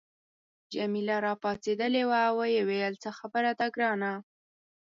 جميله راپاڅیدلې وه او ویې ویل څه خبره ده ګرانه.